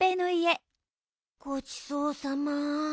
ごちそうさま。